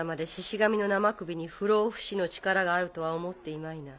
神の生首に不老不死の力があるとは思っていまいな？